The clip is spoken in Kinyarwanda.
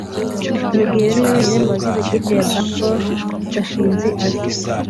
rugeyo niwe wenyine mu bagize ikipe ya baseball gashinzi azi